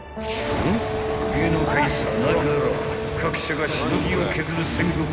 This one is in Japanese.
［芸能界さながら各社がしのぎを削る］